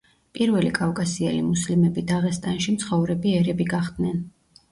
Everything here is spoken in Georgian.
პირველი კავკასიელი მუსლიმები დაღესტანში მცხოვრები ერები გახდნენ.